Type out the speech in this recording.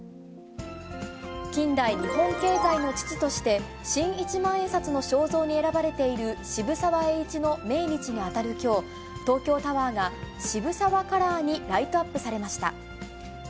近代日本経済の父として、新一万円札の肖像に選ばれている渋沢栄一の命日に当たるきょう、東京タワーが渋沢カラーにライトアップされました。